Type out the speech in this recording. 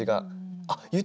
「あっ！